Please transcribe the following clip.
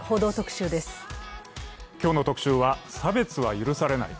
今日の特集は差別は許されない。